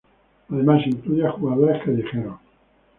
Además incluye a jugadores callejeros.